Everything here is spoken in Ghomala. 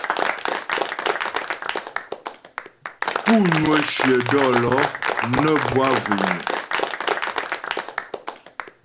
Pú ŋwə shyə dɔ̌lɔ̌ nə́ bwâ zhwényə.